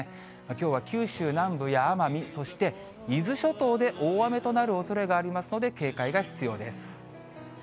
きょうは九州南部や奄美、そして伊豆諸島で大雨となるおそれがありますので、警戒が必要です。